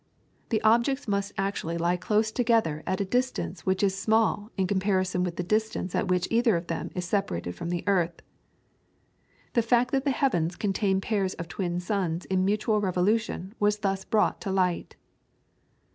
The objects must actually lie close together at a distance which is small in comparison with the distance at which either of them is separated from the earth. The fact that the heavens contain pairs of twin suns in mutual revolution was thus brought to light.